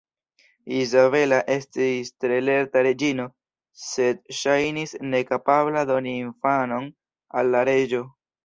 Izabela estis tre lerta reĝino, sed ŝajnis nekapabla doni infanon al la reĝo.